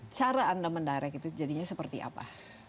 cara anda mendirect itu jadinya seperti apa